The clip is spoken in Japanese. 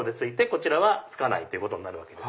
こちらはつかないということに。